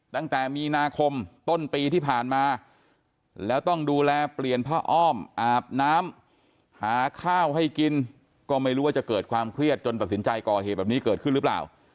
ตั้งแต่มีนาคมต้นปีที่ผ่านมาแล้วต้องดูแลเปลี่ยนผ้าอ้อมอาบน้ำหาข้าวให้กินก็ไม่รู้ว่าจะเกิดความเครียดจนตัดสินใจก่อเหตุแบบนี้เกิดขึ้นหรือเปล่า